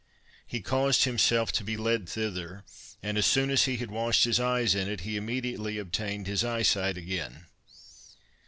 He caused himself to be led thither, and as soon as he had washed his eyes in it, he immediately obtained his eyesight again.